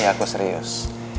iya aku serius